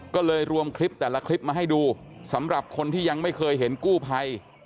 ก็เลยรวมคลิปแต่ละคลิปมาให้ดูสำหรับคนที่ยังไม่เคยเห็นกู้ภัย